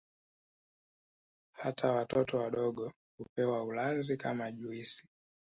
Hata watoto wadogo hupewa ulanzi kama juisi